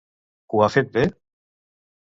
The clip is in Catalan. Ho ha fet bé?